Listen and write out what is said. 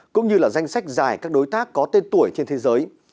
cũng như là danh sách dài các đối tác có tên tuổi trên thế giới